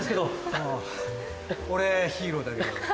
あぁ俺ヒーローだけど。